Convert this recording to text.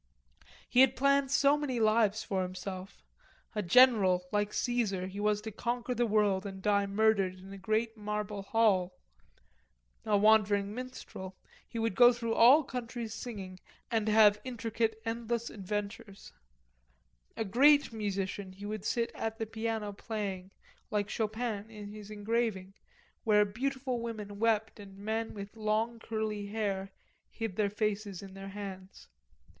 He had planned so many lives for himself: a general, like Caesar, he was to conquer the world and die murdered in a great marble hall; a wandering minstrel, he would go through all countries singing and have intricate endless adventures; a great musician, he would sit at the piano playing, like Chopin in the engraving, while beautiful women wept and men with long, curly hair hid their faces in their hands.